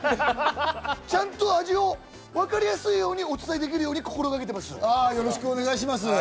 ちゃんと味をわかりやすいようにお伝えできよろしくお願いします。